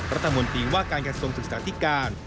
รัฐมนตรีว่าการกระทรวงศึกษาธิการ